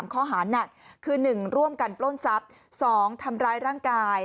ข้อหาหนักคือ๑ร่วมกันปล้นทรัพย์๒ทำร้ายร่างกาย